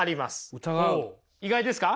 意外ですか？